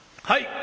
「はい！